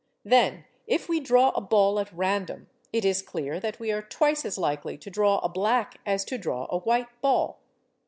Then, if we draw a ball at random, it is clear that we are twice as likely to draw a black as to draw a white ball.